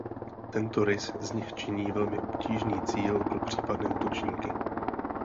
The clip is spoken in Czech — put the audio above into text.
Tento rys z nich činí velmi obtížný cíl pro případné útočníky.